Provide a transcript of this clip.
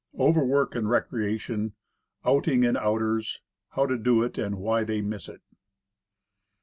OVERWORK AND RECREATION. OUTING AND OUTERS. HOW TO DO IT, AND WHY THEY MISS IT.